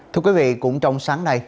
thưa quý vị cũng trong sáng nay